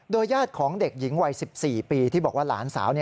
ญาติของเด็กหญิงวัย๑๔ปีที่บอกว่าหลานสาว